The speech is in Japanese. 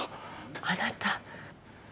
あなた。